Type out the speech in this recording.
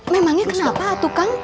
memangnya kenapa tuh kang